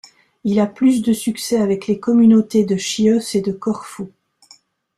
Il a plus de succès avec les communautés de Chios et de Corfou.